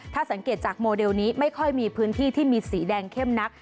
ถ้าสังเกตจากโมเดลนี้ไม่ค่อยมีพื้นที่ที่มีสีแดงเข้มนัก